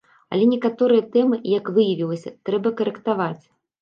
Але некаторыя тэмы, як выявілася, трэба карэктаваць.